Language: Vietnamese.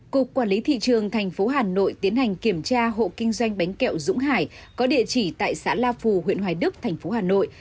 cục quản lý thị trường thành phố hà nội tiến hành kiểm tra hộ kinh doanh bánh kẹo dũng hải có địa chỉ tại xã la phù huyện hoài đức thành phố hà nội